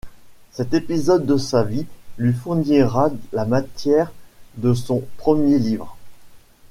Cet épisode de sa vie lui fournira la matière de son premier livre.